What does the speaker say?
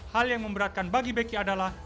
hal yang memberatkan bagi beki adalah